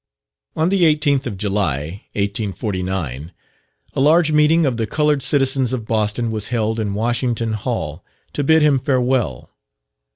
On the 18th of July, 1849, a large meeting of the coloured citizens of Boston was held in Washington Hall to bid him farewell.